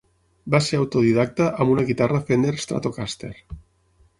Vas ser autodidacta amb una guitarra Fender Stratocaster.